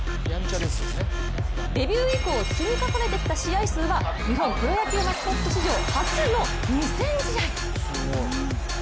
デビュー以降、積み重ねてきた試合数は日本プロ野球マスコット史上初の２０００試合。